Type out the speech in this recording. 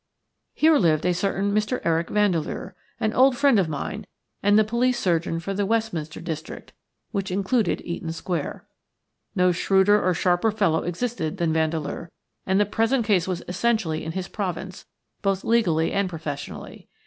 Here lived a certain Mr. Eric Vandeleur, an old friend of mine and the police surgeon for the Westminster district, which included Eaton Square. No shrewder or sharper fellow existed than Vandeleur, and the present case was essentially in his province, both legally and professionally.